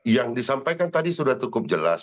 yang disampaikan tadi sudah cukup jelas